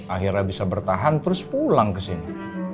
akhirnya bisa bertahan terus pulang ke sini